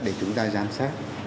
để chúng ta giám sát